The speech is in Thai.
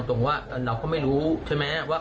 ตรงว่าเราก็ไม่รู้ใช่ไหมว่า